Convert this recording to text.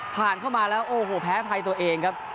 ผ่านเข้ามาแล้วโอ้โหแพ้ภัยตัวเองครับ